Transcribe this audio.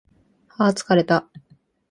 はー疲れた